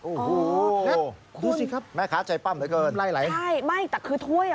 โอ้โหแล้วดูสิครับแม่ค้าใจปั้มเหลือเกินไล่ไหลใช่ไม่แต่คือถ้วยอ่ะ